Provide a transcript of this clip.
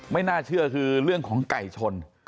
ไม่น่าเชื่อคือเรื่องของไก่ชน